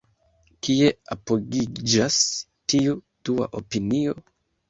Kie apogiĝas tiu dua opinio?